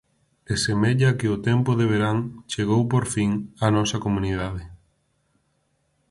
E semella que o tempo de verán chegou por fin a nosa comunidade.